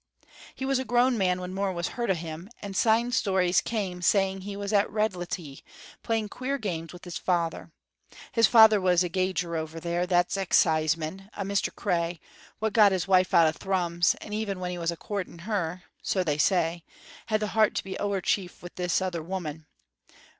"He was a grown man when more was heard o' him, and syne stories came saying he was at Redlintie, playing queer games wi' his father. His father was gauger there, that's exciseman, a Mr. Cray, wha got his wife out o' Thrums, and even when he was courting her (so they say) had the heart to be ower chief wi' this other woman.